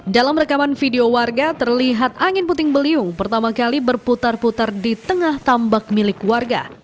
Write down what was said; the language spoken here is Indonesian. dalam rekaman video warga terlihat angin puting beliung pertama kali berputar putar di tengah tambak milik warga